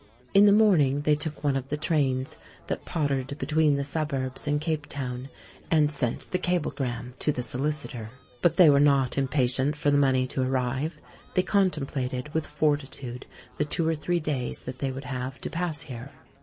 In the morning they took one of the trains that pottered between the suburbs and Cape Town, and sent the cablegram to the solicitor. But they were not impatient for the money to arrive. They contemplated with fortitude the two or three days that they would have to pass here.